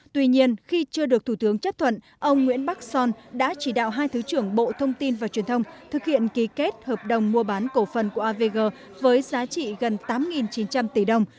tuy nhiên khi chưa được thủ tướng chấp thuận ông nguyễn bắc son đã chỉ đạo hai thứ trưởng bộ thông tin và truyền thông thực hiện ký kết hợp đồng mua bán cổ phần của avg với giá trị gần tám chín trăm linh tỷ đồng